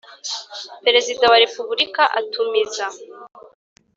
Perezida wa repubulika atumiza